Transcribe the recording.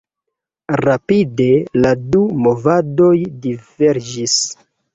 Rapide la du movadoj diverĝis.